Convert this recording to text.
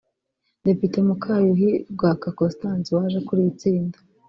Depite Mukayuhi Rwaka Costance waje akuriye itsinda